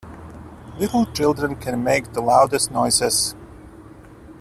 Little children can make the loudest noises.